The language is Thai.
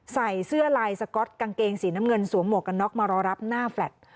ใส่เสื้อลายสก๊อตกางเกงสีน้ำเงินสวมหมวกกันน็อกมารอรับหน้าแฟลต์